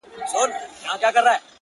o ددې سايه به ـپر تا خوره سي ـ